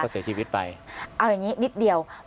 ก็เสียชีวิตไป